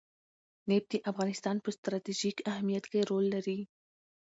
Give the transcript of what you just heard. نفت د افغانستان په ستراتیژیک اهمیت کې رول لري.